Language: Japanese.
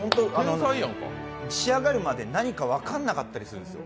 仕上がるまでに何か分からなかったりするんですよ。